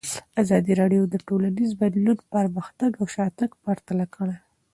ازادي راډیو د ټولنیز بدلون پرمختګ او شاتګ پرتله کړی.